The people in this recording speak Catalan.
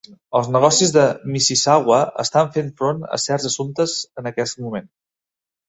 Els negocis de Mississauga estan fent front a certs assumptes en aquest moment.